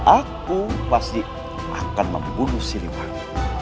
aku pasti akan membunuh siliman